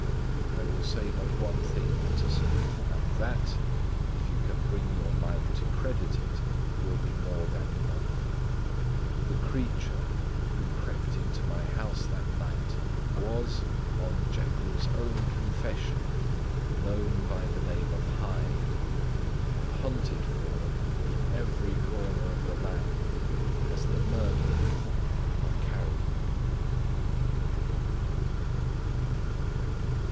I will say but one thing, Utterson, and that (if you can bring your mind to credit it) will be more than enough. The creature who crept into my house that night was, on Jekyll's own confession, known by the name of Hyde and hunted for in every corner of the land as the murderer of Carew.